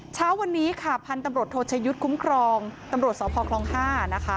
เช้าวันนี้ค่ะพันธุ์ตำรวจโทชยุทธ์คุ้มครองตำรวจสพคล๕นะคะ